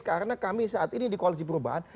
karena kami saat ini di koalisi perubahan